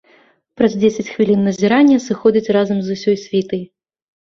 Праз дзесяць хвілін назірання сыходзіць разам з усёй світай.